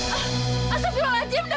asapnya wajib daganganku